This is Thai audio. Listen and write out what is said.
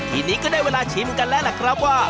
ทีนี้ก็ได้เวลาชิมกันแล้วล่ะครับว่า